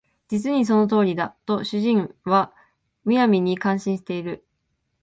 実にその通りだ」と主人は無闇に感心している